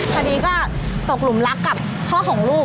พอดีก็ตกหลุมรักกับพ่อของลูก